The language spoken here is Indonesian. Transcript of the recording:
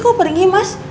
kau peringin mas